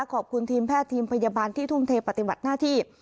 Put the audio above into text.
ขอบคุณทีมแพทย์ทีมพยาบาลที่ทุ่มเทปฏิบัติหน้าที่